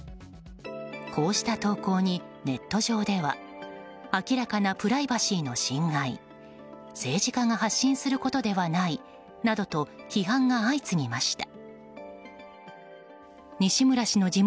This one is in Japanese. こうした投稿に、ネット上では明らかなプライバシーの侵害政治家が発信することではないなどと批判が相次ぎました。